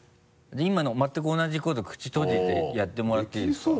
今の全く同じこと口閉じてやってもらっていいですか？